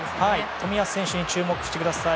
冨安選手に注目してください。